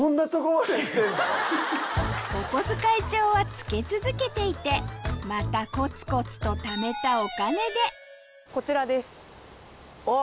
お小遣い帳は付け続けていてまたコツコツとためたお金であっ。